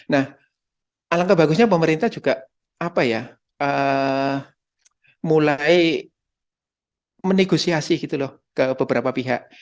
nah alangkah bagusnya pemerintah juga apa ya mulai menegosiasi gitu loh ke beberapa pihak